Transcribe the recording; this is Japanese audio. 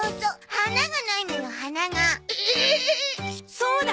そうだ！